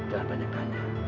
jangan banyak tanya